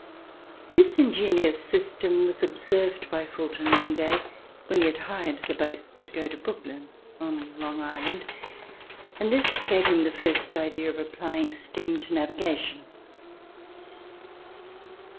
This ingenious system was observed by Fulton one day when he had hired the boat to go to Brooklyn on Long Island, and this gave him the first idea of applying steam to navigation.